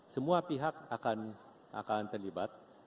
semua pihak akan terlibat